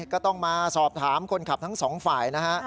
ก็ต้องมาสอบถามคนขับทั้งสองฝ่ายนะฮะ